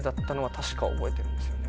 確か覚えてるんですよね。